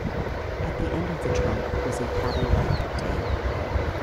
At the end of the trunk was a paddle-like tail.